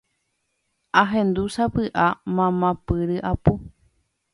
Ahendu sapy'a mamá py ryapu